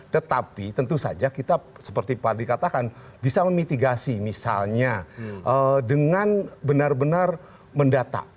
tetapi tentu saja kita seperti pak dikatakan bisa memitigasi misalnya dengan benar benar mendata